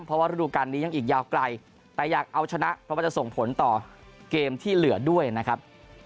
เพราะว่าฤดูการนี้ยังอีกยาวไกลแต่อยากเอาชนะเพราะว่าจะส่งผลต่อเกมที่เหลือด้วยนะครับ